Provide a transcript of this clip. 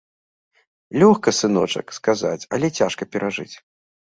Лёгка, сыночак, сказаць, але цяжка перажыць.